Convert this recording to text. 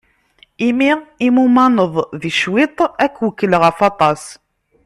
Imi i mumaneḍ di cwiṭ, ad k-wekkleɣ ɣef waṭas.